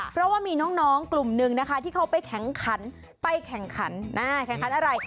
เพราะว่ามีน้องกลุ่มหนึ่งนะคะที่เขาไปแข่งขันไปแข่งขันแข่งขันอะไร